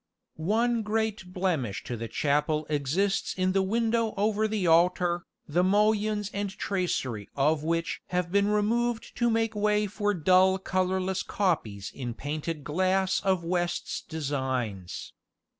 One great blemish to the chapel exists in the window over the altar, the mullions and tracery of which have been removed to make way for dull colourless copies in painted glass of West's designs.